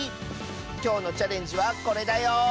きょうのチャレンジはこれだよ！